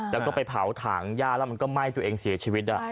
แล้วก็ไปเผาถ่างย่าแล้วมันก็ไหม้ตัวเองเสียชีวิต